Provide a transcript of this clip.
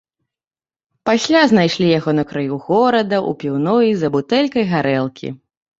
Пасля знайшлі яго на краю горада ў піўной за бутэлькай гарэлкі.